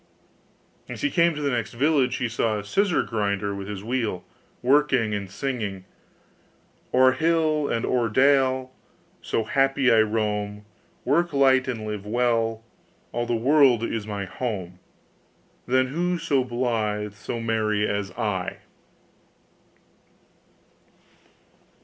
As he came to the next village, he saw a scissor grinder with his wheel, working and singing, 'O'er hill and o'er dale So happy I roam, Work light and live well, All the world is my home; Then who so blythe, so merry as I?